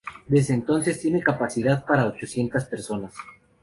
Desde entonces, tiene capacidad para ochocientas personas.